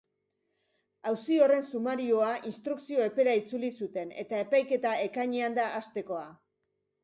Auzi horren sumarioa instrukzio epera itzuli zuten, eta epaiketa ekainean da hastekoa.